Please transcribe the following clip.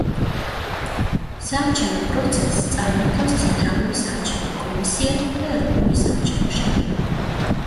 საარჩევნო პროცესს წარმართავს ცენტრალური საარჩევნო კომისია და ეროვნული საარჩევნო შტაბი.